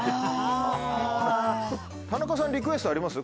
田中さんリクエストあります？